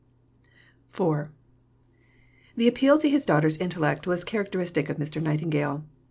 IV The appeal to his daughter's intellect was characteristic of Mr. Nightingale.